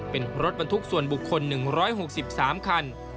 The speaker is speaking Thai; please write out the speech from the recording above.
เป็นรถบรรทุกส่วนบุคคล๑๖๓คัน